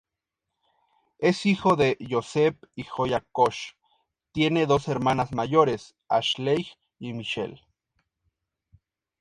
Es hijo de Joseph y Joya Koch, tiene dos hermanas mayores: Ashleigh y Michelle.